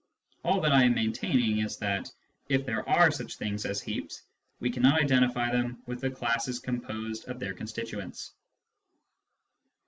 All that I am maintaining is that, if there are such things as heaps, we cannot identify them with the classes composed of their constituents.